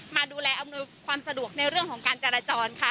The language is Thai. มาดูแลอำนวยความสะดวกในเรื่องของการจราจรค่ะ